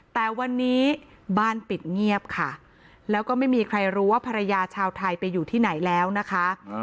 แต่วันนี้บ้านปิดเงียบค่ะแล้วก็ไม่มีใครรู้ว่าภรรยาชาวไทยไปอยู่ที่ไหนแล้วนะคะ